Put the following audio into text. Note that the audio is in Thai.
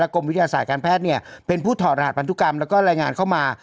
กรมวิทยาศาสตร์การแพทย์เป็นผู้ถอดรหัสพันธุกรรมแล้วก็รายงานเข้ามา